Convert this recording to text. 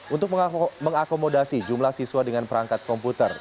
untuk mengakomodasi jumlah siswa dengan perangkat komputer